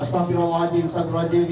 assalamualaikum warahmatullahi wabarakatuh